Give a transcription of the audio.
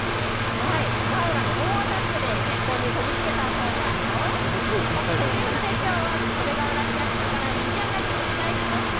ガウラの猛アタックで結婚にこぎ着けたそうですよ。ということできょうは袖ケ浦市役所からにぎやかにお伝えしました。